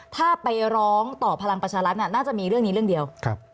ถ้าไปร้องต่อพลังประชารัฐน่าจะมีเรื่องนี้เรื่องเดียว